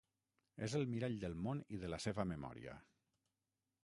És el mirall del món i de la seva memòria.